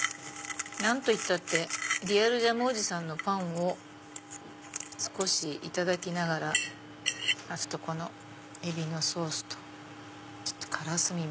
何といったってリアルジャムおじさんのパンを少しいただきながらこの海老のソースとからすみも。